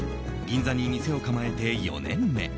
銀座に店を構えて４年目。